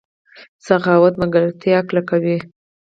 سخاوت ملګرتیا کلکوي.